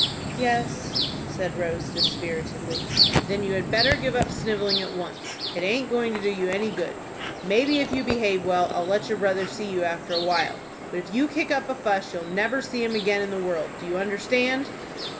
"Yes," said Rose, dispiritedly. "Then you had better give up snivelling at once. It aint going to do you any good. Maybe, if you behave well, I'll let your brother see you after a while, but if you kick up a fuss you'll never see him again in the world. Do you understand?"